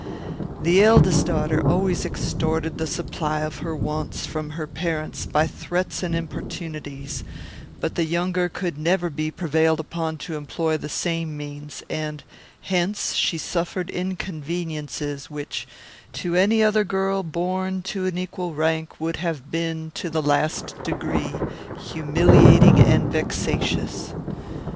"The eldest daughter always extorted the supply of her wants, from her parents, by threats and importunities; but the younger could never be prevailed upon to employ the same means, and, hence, she suffered inconveniences which, to any other girl, born to an equal rank, would have been, to the last degree, humiliating and vexatious.